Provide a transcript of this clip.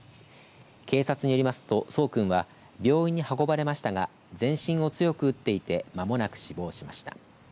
警察によりますと、聡くんは病院に運ばれましたが全身を強く打っていて間もなく死亡しました。